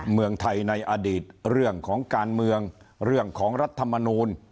เมืองไทยในอดีตเรื่องของการเมืองเรื่องของรัฐมนูล